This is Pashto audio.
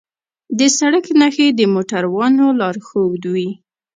د سړک نښې د موټروانو لارښودوي.